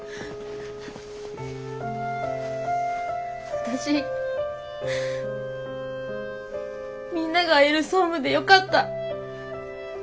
私みんながいる総務でよかった。